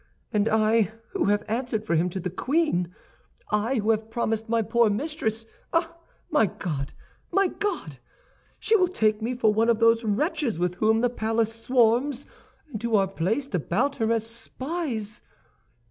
And I, who have answered for him to the queen—I, who have promised my poor mistress—ah, my God, my God! She will take me for one of those wretches with whom the palace swarms and who are placed about her as spies!